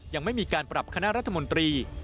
ยังไม่มีการปรับคณะรัฐมนตรี